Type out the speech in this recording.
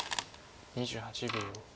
２８秒。